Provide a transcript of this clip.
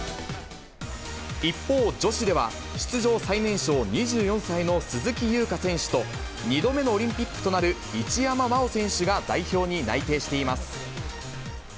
一方、女子では出場最年少２４歳の鈴木優花選手と、２度目のオリンピックとなる一山麻緒選手が代表に内定しています。